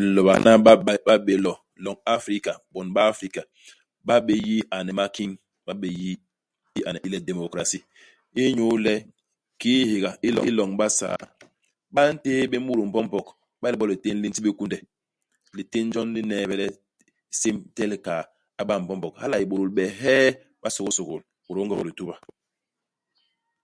Ilo bakana ba ba ba bé lo, loñ i Afrika, bon ba Afrika ba yé yi ane i makiñ. Ba bé yi iane i le démocratie. Inyu le kiki hihéga iloñ i Basaa, ba ntéé bé mut Mbombog iba le bo litén li nti bé kunde. Litén jon li n'neebe le isém itél ikaa a ba Mbombog. Hala a yé ibôdôl beehee. IBasôgôsôgôl, ibôdôl i Ngog-Lituba.